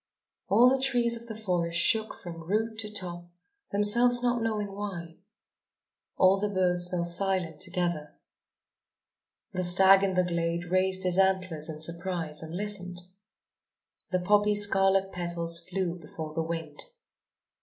All the trees of the forest shook from root to top, themselves not knowing why. All the birds fell silent together. The stag in the glade raised his antlers in surprise and listened. The poppy's scarlet petals flew before the wind.